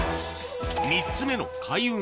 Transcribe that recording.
３つ目の開運